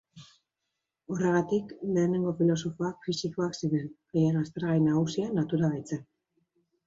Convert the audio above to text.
Horregatik, lehenengo filosofoak fisikoak ziren, haien aztergai nagusia natura baitzen.